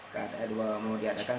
kata edoa mau diadakan